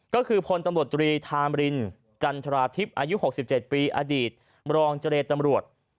ก็คือพลตำรวจตรีธามรินจันทราทิพย์อายุ๖๗ปีอดีตมรองเจรตำรวจ